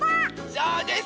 そうです！